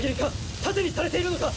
盾にされているのか？